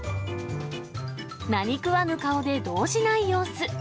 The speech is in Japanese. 何食わぬ顔で動じない様子。